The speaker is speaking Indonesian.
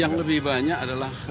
yang lebih banyak adalah